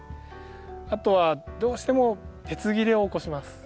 あとはどうしても鉄切れを起こします。